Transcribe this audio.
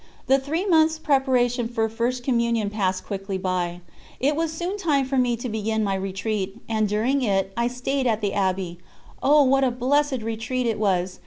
The three months' preparation for First Communion passed quickly by; it was soon time for me to begin my retreat, and, during it, I stayed at the Abbey. Oh, what a blessed retreat it was!